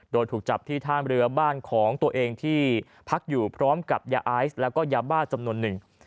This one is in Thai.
โดยถูกจับที่ท่ามเรือบ้านของตัวเองที่พักอยู่พร้อมกับยาไอซ์แล้วก็ยาบ้าจำนวนหนึ่ง